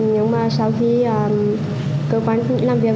nhưng mà sau khi cơ quan tỉnh làm việc